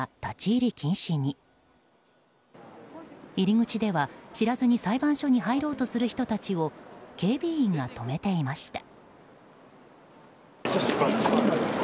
入り口では、知らずに裁判所に入ろうとする人たちを警備員が止めていました。